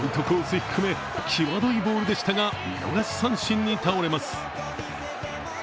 低め際どいボールでしたが、見逃し三振に倒れます。